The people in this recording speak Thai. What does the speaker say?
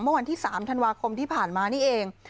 เมื่อวันที่๓ธันวาคมที่ผ่านมานี่เอง